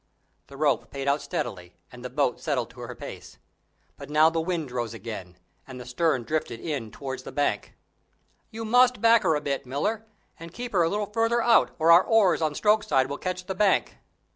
The rope paid out steadily, and the boat settled to her place. But now the wind rose again, and the stern drifted in towards the bank. "You must back her a bit, Miller, and keep her a little further out or our oars on stroke side will catch the bank."